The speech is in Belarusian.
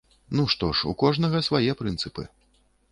Ну што ж, у кожнага свае прынцыпы.